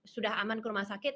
sudah aman ke rumah sakit